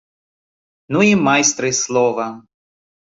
Ну і майстры слова!